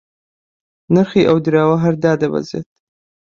نرخی ئەو دراوە هەر دادەبەزێت